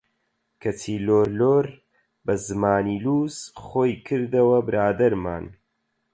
کەچی لۆر لۆر بە زمانی لووس، خۆی کردەوە برادەرمان!